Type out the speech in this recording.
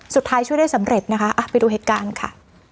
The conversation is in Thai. ช่วยได้สำเร็จนะคะไปดูเหตุการณ์ค่ะ